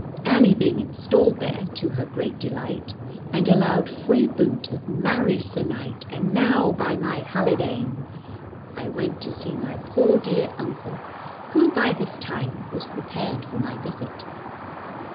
Annie being installed there, to her great delight, and allowed free boot of "Marry, Sir knight," and "Now by my halidame," I went to see my poor dear uncle, who by this time was prepared for my visit.